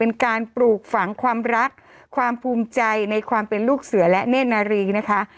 เป็นการปลูกฝังความรักความภูมิใจในความเป็นลูกเสือและเนธนารีนะคะ